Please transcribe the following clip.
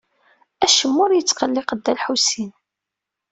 Acemma ur yettqelliq Dda Lḥusin.